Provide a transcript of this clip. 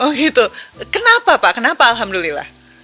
oh gitu kenapa pak kenapa alhamdulillah